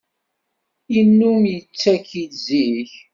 Yennum yettaki-d zik.